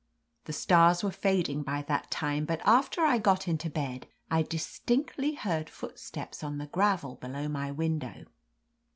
The stars were fading by that time, but after I got into bed I distinctly heard footsteps on the gravel belowjmy window.